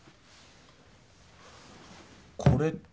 これって？